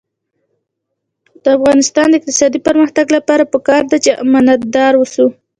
د افغانستان د اقتصادي پرمختګ لپاره پکار ده چې امانتدار اوسو.